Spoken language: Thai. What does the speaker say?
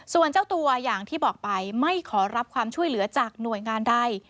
ส่วนเจ้าตัวอย่างที่บอกไปไม่ขอรับความช่วยเหลือจากหน่วยงานใด